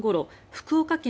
福岡県